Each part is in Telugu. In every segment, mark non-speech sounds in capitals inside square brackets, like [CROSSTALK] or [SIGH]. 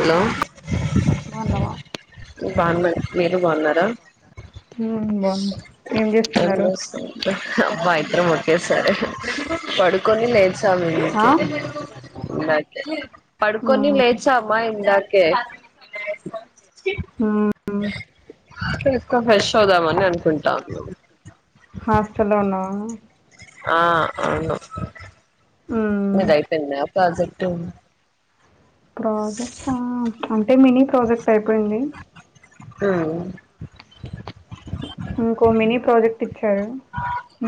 హలో బావున్నావ బాగున్న మీరు బాగున్నారా ఉమ్ బాగున్నాం ఏం చేస్తున్నారు అబ్బా ఇద్దరం ఒకేసారే పడుకొని లేచాము ఆ ఇందాకే ఇందాకే పడుకొని ఉమ్ లేచా అమ్మా ఇందాకే ఉమ్ ఎక్కువ ఫ్రెష్ అవుదామని అనుకుంటాల్ హాస్టల్లో ఉన్నావా ఆ అవును ఉమ్ మీదయిపోయింద ప్రాజెక్టు ప్రాజెక్ట్ అంటే మినీ ప్రాజెక్ట్ అయిపోయింది ఉమ్ ఇంకో మినీ ప్రాజెక్ట్ ఇచ్చారు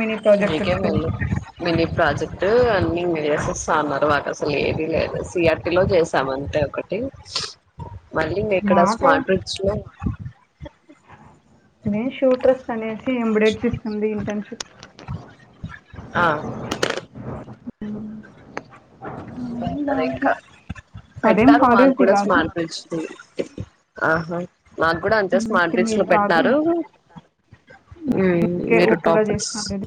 మినీ ప్రాజెక్టు మీకే టు మేలు మినీ ప్రాజెక్ట్ అన్ని ఇ చేసేస్తా ఉన్నారు మాకు అసలు ఏమీ లేదు సిఆర్టీ లో చేస్ సెవంతే ఒకటి మళ్ళీ ఇం ఎక్కడ మాట స్మాల్ బ్రిడ్జ్ లో ఇదే షూ ట్రస్ట్ అనేసి ఎంబడేడ్స్ ఇస్తుంది ఇంటర్న్షిప్ ఆ ద దాంట్లో ఇంకా అదేం పెట్టారు మాకు కాలేజ్ది కూడా కాదు స్మాల్ బ్రిడ్జి ది ఆహా నాకు కూడా అంతే స్మార్ట్ ఏం బ్రిజ్లో కాదు పెట్టారు ఉమ్ మీరు ఓన్గా టాపర్స్ చేస్తాను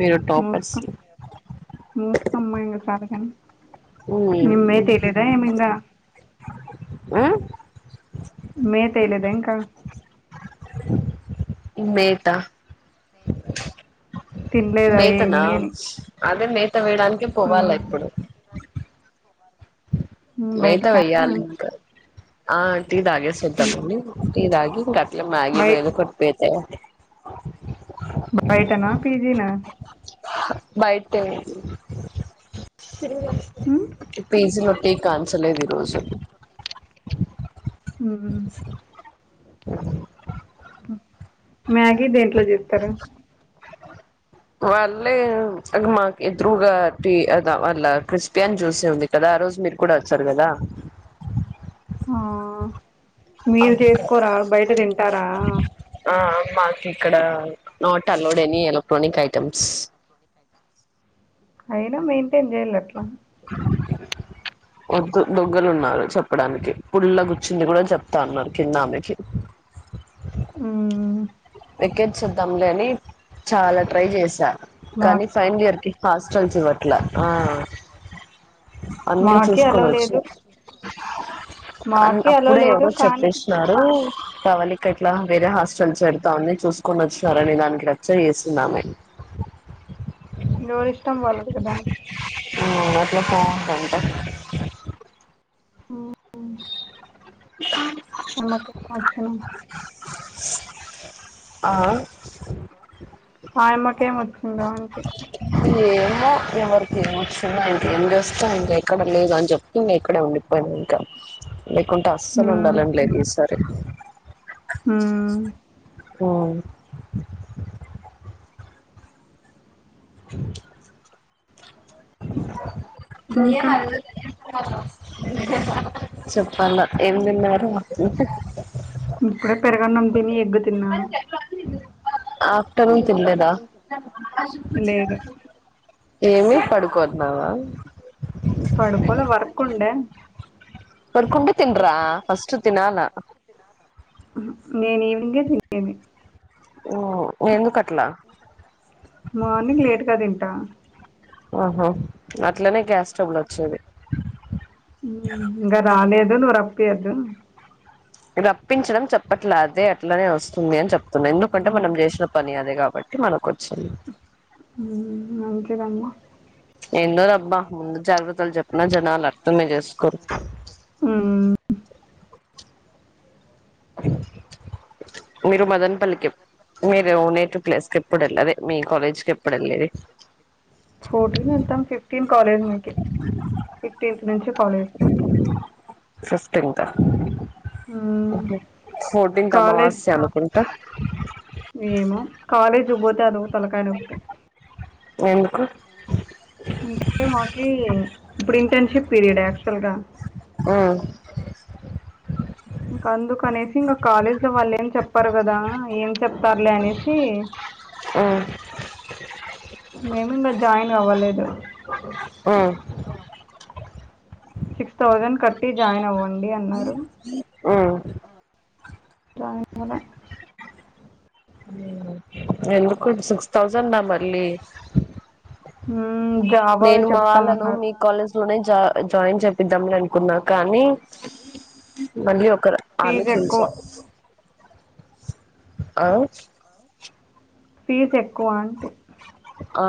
మీరు టాపర్స్ మూసుకొమ్మా ఇంగ సాలుగాని మ్మ్ ఏమ్మే తెలిదా ఏమింగా ఆ మే తేలేద ఇంకా లేదా తినలేదా ఏమి మేతనా అని అదే మేత వేయడానికి పోవాలా ఉమ్ ఇప్పుడు మేత బయటికా వెయ్యాలి ఇంకా ఆ టీ తాగేసి ఉమ్ ద్దమనీ టీ తాగిఇంగట్లే బయ మ్యాగినో ఏదోకటిట్పోతే బయటనా పీజీ నా బయటే ఉమ్ [INAUDIBLE] పేజీలో టీ కాన్ చలేదు ఈరోజు ఉ మ్యాగీ దేంట్లో చేస్తారు వాళ్ళే అ మాకు ఎదురుగా అది వాళ్ళ క్రిస్పి అని చూసే ఉంది కదా ఆ రోజు మీరు కూడా వచ్చారు కదా ఆ మీరు చేసుకోరా బయట తింటారా ఆ మాకు ఇక్కడ not allowed any electronic items అయినా మెయింటైన్ చేయాల అట్లా క వద్దు దొంగలున్నారు చెప్పడానికి పుల్ల కూర్చింది కూడా చెప్తా ఉన్నారు కిన్నామెకి ఆ ఎక్కెర్ చిద్దాంలేని చాలా ట్రై చేశారు మా కానీ ఫైన్ ఇయర్ కి హాస్టల్స్ ఇవ్వట్ల అన్నీ మాకి అలో చూసుకోని వచ్చు లేదు అ మాకి అలో అప్పుడే లేదు ఎవరో కానీ చెప్పేస్తున్నారు కావలిక ఇట్లా వేరే హాస్టల్ జరి తాంది చూసుకొనిచ్చినారు అనే దానికి రచ్చ చేసిందామే ఎవరి ఇష్టం వాళ్లది కదా ఆ అట్ల ఫ్లో ఉంటది ఉహు అ ఇప్పుడు మరికేల్ కి వచ్చినం ఆ ఆయమ్మ కేం వచ్చిందో అంటి ఏమో ఎవరికి ఏం వచ్చిందొ ఇంక ఏం జెస్తం ఇంకెక్కడ లేదు అని చెప్తు అక్కడే ఉండిపోయింది ఇంకా లేకుంటే అస్సలు హ్మ్ ఉండాలని లేదు ఈసారి హ్మ్ ఆ అ ఇంకా దయ్యాలు అవి [UNINTELLIGIBLE] చెప్పాల ఏం తిన్నారు ఇప్పుడే పెరుగన్నం తిని ఎగ్గు తిన్నా ఆఫ్టర్నూన్ తినలేద లేదు ఏమి పడుకోన్నావా పడుకోలే వర్క్ ఉండే పడుకుంటే తిన్రా ఫస్ట్ తినాల నేను ఈవినింగే తినేది ఓ ఎందు కట్లా మార్నింగ్ లేట్గా తింటా ఆహా అట్లనే గ్యాస్ ట్రబుల్ వచ్చేది ఉమ్ ఇంగా రాలేదు నువ్వు రపీయొద్దు రప్పించడం చెప్పట్లే అదే అట్లనే వస్తుంది అని జేప్తున్నా ఎందుకంటే ఉమ్, మనం జేసిన పని అదే గాబట్టి మనకు వచ్చింది ఉమ్ మంచిదమ్మ ఏందో రబ్బా ముందు జాగ్రత్తలు జెప్పిన జనాలు అర్థమే జేసుకోరు ఉమ్ మీరు మదనపల్లికెప్పు మీరు నేటివ్ ప్లేస్ కెప్పుడు యెళ్ళేది అదే మీ కాలేజ్ కి ఎప్పుడు యెళ్ళేది ఫోర్టీన్ వెళ్తాం ఫిఫ్టీన్ కాలేజ్ మీకి ఫిఫ్టీన్త్ నుంచి కాలేజ్ ఫిఫ్టీన్తా ఉమ్, ఫోటీన్త్ కాలేజ్ అమావాస్య అనుకుంటా ఏమో కాలేజ్ కు బోతే అదో తలకాయల నొప్పి ఎందుకు అంటే మాకి ఇప్పుడు ఇంటర్న్షిప్ పీరియడ్ యాక్చువల్ గా అ ఇంకా అందుకనేసి ఇంకా కాలేజ్ లో వాళ్ళు ఏం చెప్పరు గదా ఏం చెప్తారులే అనేసి ఉమ్ మేమింగా జాయిన్ అవ్వలేదు ఉ సిక్స్ థౌజండ్ కట్టి జాయిన్ అవ్వండి అన్నారు ఉమ్ జాయిన్ అవ్వల ఉ ఎందుకు సిక్స్ థౌసండా మళ్ళీ మ్మ్, జావావే నేను మా వాళ్ళను చెప్తామన్నారు మీక్ కాలేజ్ లోనే జా జాయిన్ చేపిద్దాంలే అనుకున్నా కానీ మళ్ళీ ఒక ఫీజు ఆలోచించ ఎక్కువ ఆ ఫీజ్ ఎక్కువ అంటే ఆ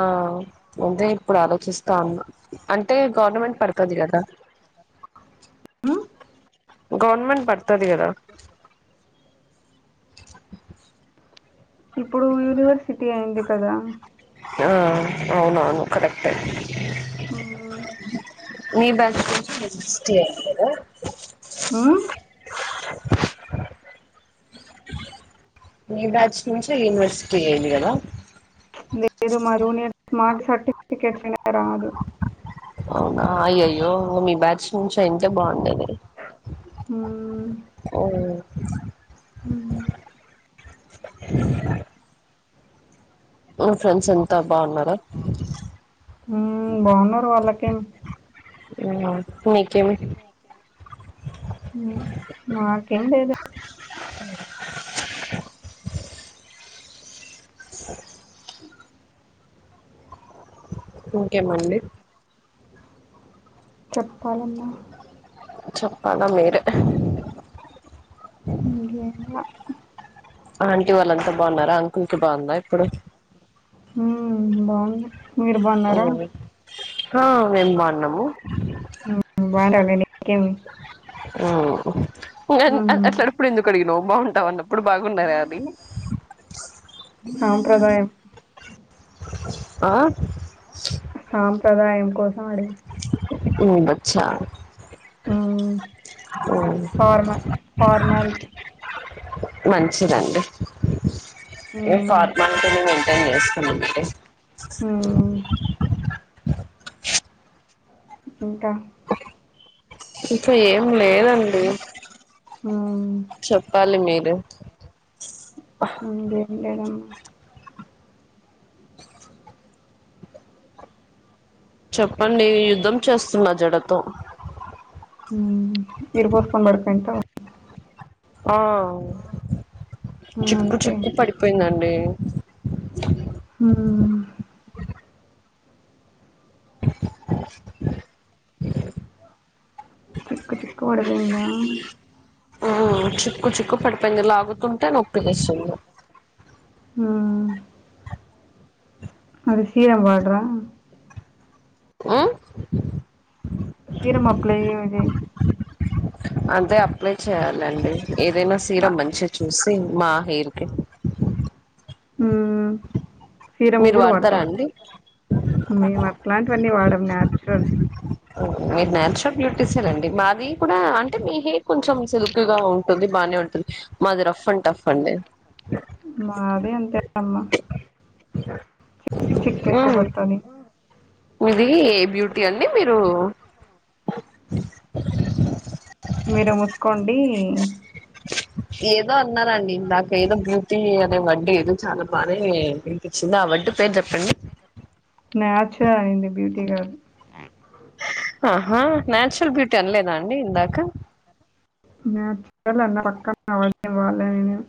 ముందే ఇప్పుడు ఆలోచిస్తా ఉన్న అంటే గవర్నమెంట్ పడతది గదా మ్మ్? గవర్నమెంట్ పడతది గదా [INAUDIBLE] ఇప్పుడు యూనివర్సిటీ అయింది కదా ఆ అవునవును కరెక్టే మ్మ్. మీ బ్యాచ్ నుంచే యూనివర్సిటీ అయింది గదా ఆ మీ బ్యాచ్ నుంచే యూనివర్సిటీ అయింది గదా లేదు మా జూనియర్స్ మాక్ సర్టిఫికెట్ పైన రాదు అవునా అయ్యయ్యో మీ బ్యాచ్ నుంచి అయింటే బాగుండేది మ్మ్. ఉమ్ ఉమ్ ఇ [INAUDIBLE] మీ ఫ్రెండ్స్ అంత బావున్నారా హ్మ్. బావున్నారు వాళ్ళకేం. ఉమ్ నీకేమి ఉమ్ మాకేం లేదన్ స [INAUDIBLE] ఇంకేమండి చెప్పాలమ్మా చెప్పాల మీర్ ఇంకేం లా ఆంటీ వాళ్ళంత బావున్నారా అంకుల్ కి బావుందా ఇప్పుడు ఉమ్ బాగుంది ఓ హ మేం బావున్నము బావుంటావులే నీకేమి ఉమ్ పు అన్ అన్ హ్మ్. అట్లటప్పుడు ఎందుకడిగినవ్ బాగుంటావన్నప్పుడు బాగున్నవా అని సాంప్రదాయం ఆ సాంప్రదాయం కోసం అడిగిన ఉండొచ్చా హ్మ్. ఉమ్ ఫార్మ ఫార్మాలిటీ. మంచిదండి మి హ్మ్. ఫార్మాలిటీని మెయింటెన్ జేస్ ఉంటయ్ ఉమ్ ఇంకా ఇంక ఏం లేదండి హ్మ్. చెప్పాలి మీరే ఇంగేం లేదమ్మ చెప్పండి యుద్ధం చేస్తున్నా జడతో ఊ ఇరబోసుకొని పడుకుంటా ఆ హ్మ్. చిక్కు అంతే. చిక్కు పడిపోయిందండి హూ చిక్కు చిక్కు పడిపోయిందా ఊ చిక్కు చిక్కు పడిపోయింది లాగు అలా లాగుతుంటే నొస్తది ఊ అది సీరం వాడరా ఊ సీరం అప్లై చేయిర్రి అంతే అప్లై చేయాలండి ఏదైనా సీరమ్ మంచిది చూసి మా హెయిర్ కి ఊ సీరమ్ మీరు కూడా వాడతారా వాడతావా అండి మేం అట్లాంటివన్నీ వాడం న్యాచురల్ ఊ మీరు న్యాచురల్ బ్యూటీసే లేండి మాది కూడా అంటే మీ హేర్ కొంచెం సిల్ కుగా ఉంటుంది బానే ఉంటుంది మాది రఫ్ అండ్ టఫ్ అండి మాదీ అంతే అమ్మ చిక్కు ఎక్కువ మ్మ్ పడతాది మీది బ్యూటీ అండి మీరు మీరే మూసుకోండి ఏదో అన్నారండి ఇందాక ఏదో బ్యూటీ అనే వడ్డే ఏదో చాలా బానే విన్పి చింది ఆ వర్డ్ పేరు చెప్పండి న్యాచురల్ అండి బ్యూటీ గాదు హా హా న్యాచురల్ బ్యూటీ అనలేదా అండి ఇందాక న్యాచురల్ అన్నా పక్కన ఆ వర్డేం వాడలే నేను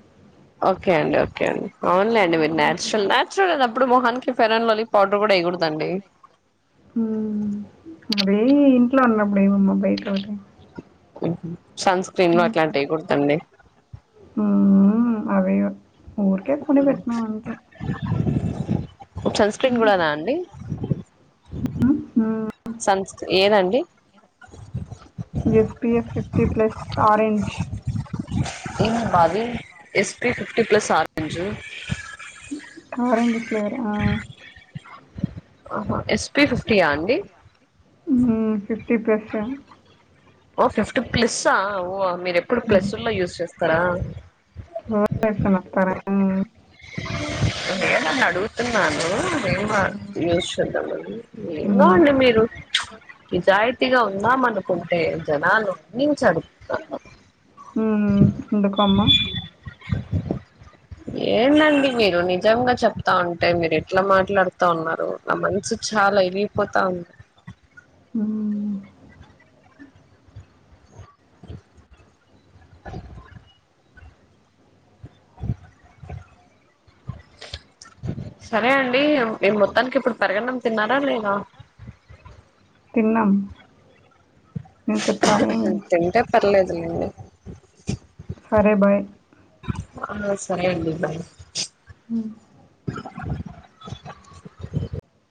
ఓకే అండి ఓకే అండి అవును లేండి మీరు న్యాచురల్ న్యాచురల్ అయినప్పుడు మొహానికి ఫేరెన్ లవ్లీ పౌడర్ కూడా ఎయకూడదండి ఊ మరీ ఇంట్లో ఉన్నప్పుడు ఎయ్యమమ్మా బయట [INAUDIBLE] సన్స్ ఊ అదే ఓ ఊరికే కొని పెట్టినా అంతే సన్ స్క్రీన్ మ్మ్. కూడానా అండి మ్మ్. సన్స్ ఏదండి G P F fifty plus orange ఏం బాది S P fifty plus orange orange flavour ఆ ఆహా ఎస్ పి ఫిఫ్టీ యా అండి ఊ ఫిఫ్టీ ప్లెస్ యే ఓ ఫిఫ్టీ ప్లస్ ఆ ఓ మీరు ఎప్పుడూ ప్లస్సుల్లో యూజ్ చేస్తారా [INAUDIBLE] ఏస్కొని వస్తారా నేను ఏం అని అడుగుతున్నాను నేను మా యూస్ చూద్దాం అని ఏందో అండి మీరు నిజాయితీగా ఉందాం అనుకుంటే జనాలు ఉన్నించడు [INAUDIBLE] హుమ్ ఎందుకమ్మం ఎందండీ మీరు నిజంగా చెప్తా ఉంటే మీరు ఎట్లా మాట్లాడుత తా ఉన్నారు నా మనసు చాలా వెరిగిపోతా ఉంది ఉమ్ సరే అండి మీరు మొత్తానికి ఇప్పుడు పెరుగు అన్నం తిన్నారా లేదా తిన్నం తింటే పర్లేదులేండి సరే బాయ్ ఆ సరే అండి బాయ్ హు